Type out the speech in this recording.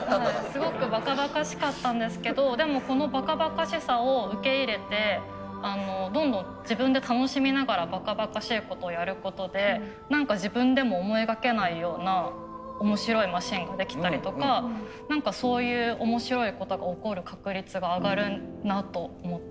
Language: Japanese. すごくばかばかしかったんですけどでもこのばかばかしさを受け入れてどんどん自分で楽しみながらばかばかしいことやることで何か自分でも思いがけないような面白いマシンができたりとか何かそういう面白いことが起こる確率が上がるなと思ってます。